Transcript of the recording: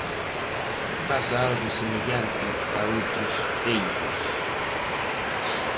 Pasa algo semellante a outros eidos.